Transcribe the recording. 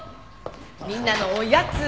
みんなのおやつ。